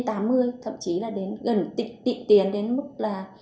thậm chí là đến gần tị tiền đến mức là chín mươi